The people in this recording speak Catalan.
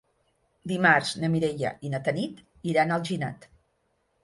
Dimarts na Mireia i na Tanit iran a Alginet.